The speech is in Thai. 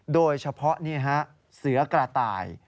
โดยเฉพาะเสือกระต่าย